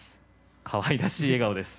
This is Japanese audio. かわいらしい顔です。